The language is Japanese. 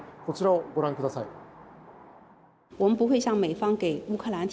こちらをご覧ください。